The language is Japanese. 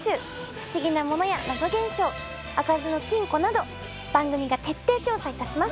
不思議なものや謎現象開かずの金庫など番組が徹底調査いたします。